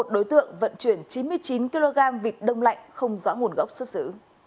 đối tượng vận chuyển chín mươi chín kg vịt đông lạnh không rõ nguồn gốc xuất xử